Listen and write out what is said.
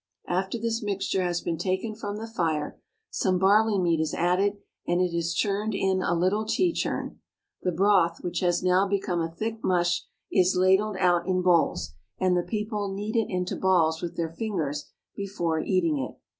After this mixture has been taken from the fire, some barley meal is added, and it is churned in a little tea churn. The broth, which has now become a thick mush, is ladled out in bowls, and the people knead it into balls with their fingers before eating it.